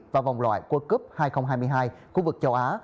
và vòng loại world cup hai nghìn hai mươi hai khu vực châu á